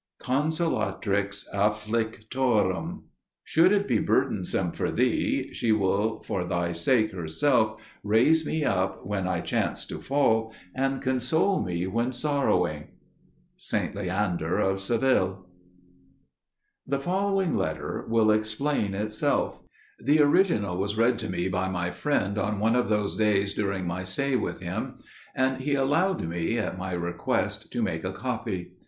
"Consolatrix Afflictorum" "Should it be burdensome for thee ... she will for thy sake herself raise me up when I chance to fall, and console me when sorrowing." St. Leander of Seville. "Consolatrix Afflictorum" THE following letter will explain itself. The original was read to me by my friend on one of those days during my stay with him; and he allowed me, at my request, to make a copy.